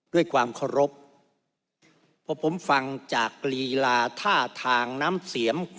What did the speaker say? ด้วยความเคารพเพราะผมฟังจากลีลาท่าทางน้ำเสียม